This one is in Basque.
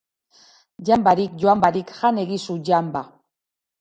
Jan barik joan barik Jan egizu Jan ba